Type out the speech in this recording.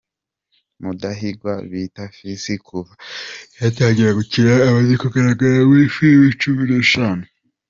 Mudahigwa bita Fils kuva yatangira gukina amaze kugaragara muri filimi cumi n'eshanu.